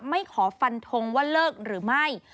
ไม่ขอฟันทงว่าเลิกหรือไม่